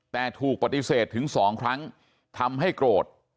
แต่ถูกปฏิเสธถึง๒ครั้งทำให้โกรธ